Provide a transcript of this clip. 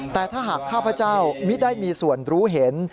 แต่ถ้าหากข้าพเจ้ามิได้มีส่วนรู้เห็น